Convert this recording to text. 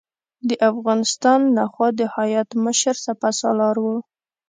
د افغانستان له خوا د هیات مشر سپه سالار و.